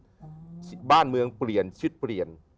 ที่สมัยต่างนั้นบ้านเมืองเปลี่ยนชิดเปลี่ยน